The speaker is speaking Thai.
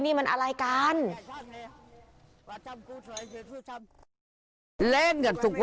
นี่มันอะไรกัน